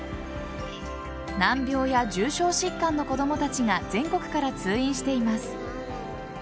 難病や重症疾患の子供たちが全国から通院しています。